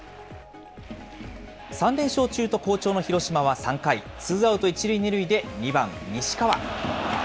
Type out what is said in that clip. ３連勝中と好調の広島は３回、ツーアウト１塁２塁で２番西川。